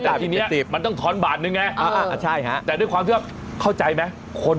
อ่ามิเตอร์ขึ้นหกสิบเก้าใช่มั้ย